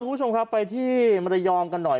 คุณผู้ชมครับไปที่มรยองกันหน่อย